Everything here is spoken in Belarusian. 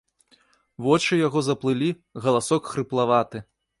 Вочы яго заплылі, галасок хрыплаваты.